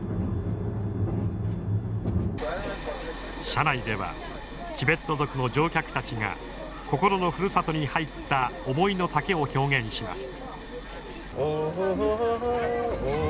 車内ではチベット族の乗客たちが心のふるさとに入った思いのたけを表現します。